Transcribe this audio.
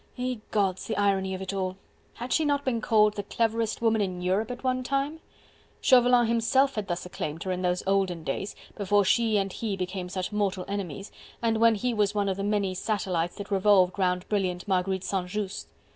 Ye gods! the irony of it all! Had she not been called the cleverest woman in Europe at one time? Chauvelin himself had thus acclaimed her, in those olden days, before she and he became such mortal enemies, and when he was one of the many satellites that revolved round brilliant Marguerite St. Just.